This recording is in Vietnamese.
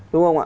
đúng không ạ